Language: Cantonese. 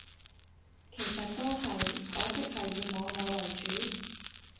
其實都係，可惜係以網友為主